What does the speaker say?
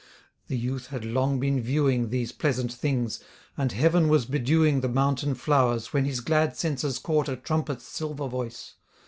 The youth had long been viewing These pleasant things, and heaven was bedewing The mountain flowers, when his glad senses caught A trumpet's silver voice.